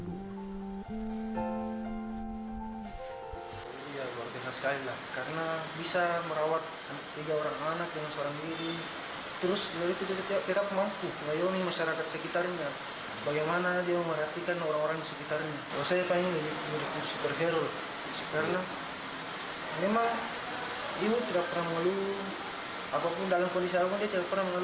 sukses keluar dari belitan ekonomi